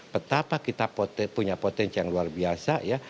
betapa kita punya potensi yang luar biasa ya